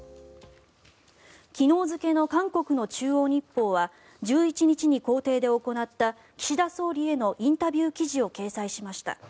昨日付の韓国の中央日報は１１日に公邸で行った岸田総理へのインタビュー記事を掲載しました。